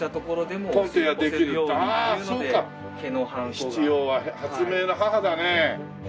必要は発明の母だね。